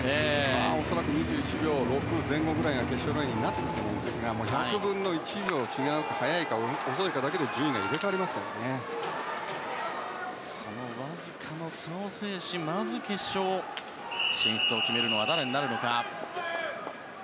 ２１秒６前後ぐらいが決勝ラインになってくると思うんですが１００分の１秒早いか遅いかだけでそのわずかの差を制しまず決勝進出を決めるのは誰になるのか。